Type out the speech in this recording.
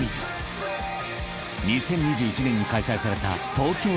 ［２０２１年に開催された］